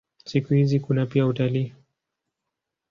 Siku hizi kuna pia utalii.